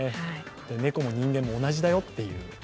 猫も人間も同じだよっていう。